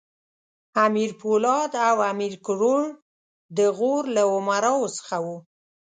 امیر پولاد او امیر کروړ د غور له امراوو څخه وو.